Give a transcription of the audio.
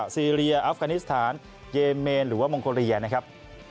ซีเรียอัฟกานิสถานเยเมนหรือว่ามองโกเลียนะครับ